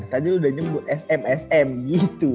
tadi lu udah nyebut sm sm gitu